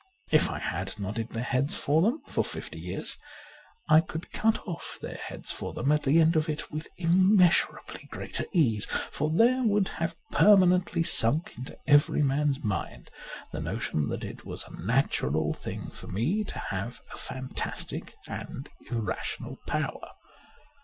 If I had nodded their heads for them for fifty years, I could cut off their heads for them at the end of it with im measurably greater ease ; for there would have permanently sunk into every man's mind the notion that it was a natural thing for me to have a fantastic and irrational power.